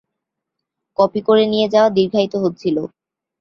Copy করে নিয়ে যাওয়া দীর্ঘায়িত হচ্ছিলো।